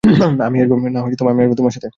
না, আমি আসব তোমার সাথে।